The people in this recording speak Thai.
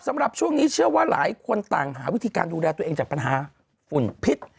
สำหรับช่วงนี้เชื่อว่าหลายคนต่างหาวิธีการดูแลตัวเองจากปัญหาฝุ่นพิษ